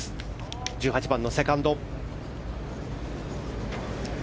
１８番のセカンド。